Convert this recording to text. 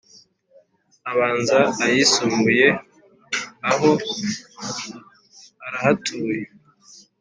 Abanza ayisumbuye aho urahatuye